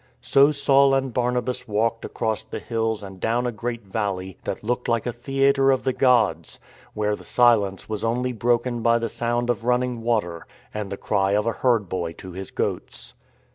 So Saul and Barnabas walked across the hills and down a great valley that looked like a theatre of the gods, where the silence was only broken by the sound of run ning water, and the cry of a herd boy to his goats.